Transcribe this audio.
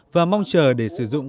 và mong chờ để sử dụng